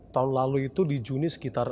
tahun lalu itu di juni sekitar